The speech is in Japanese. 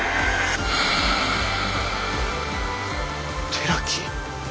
寺木？